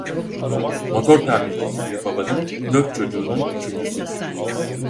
Motor tamircisi bir babanın dört çocuğunun üçüncüsüdür.